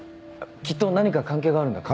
きっと何か関係があるんだと。